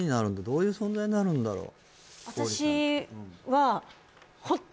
どういう存在になるんだろう？